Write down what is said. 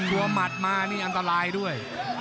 กลัวหมัดมานี่อันตรายด้วย